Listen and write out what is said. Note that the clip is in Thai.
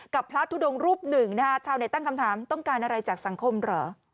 พระทุดงรูปหนึ่งนะฮะชาวเน็ตตั้งคำถามต้องการอะไรจากสังคมเหรอ